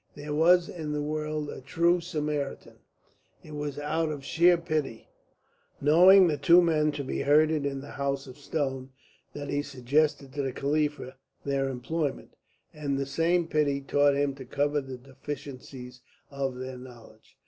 There was in the world a true Samaritan. It was out of sheer pity, knowing the two men to be herded in the House of Stone, that he suggested to the Khalifa their employment, and the same pity taught him to cover the deficiencies of their knowledge.